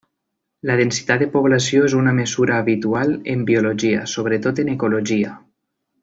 La densitat de població és una mesura habitual en biologia, sobretot en ecologia.